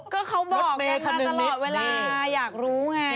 ก็เขาบอกไงคะตลอดเวลาอยากรู้ไง